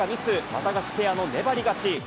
ワタガシペアの粘り勝ち。